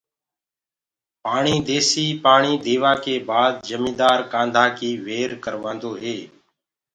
پاڻي ديسي پآڻي ديوآ ڪي بآد جميدآر ڪآنڌآ ڪي وير ڪروآندو هي.